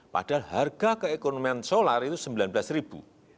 padahal harga keekonomian solar itu rp sembilan belas ribu